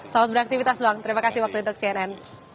selamat beraktivitas bang terima kasih waktu itu ke cnn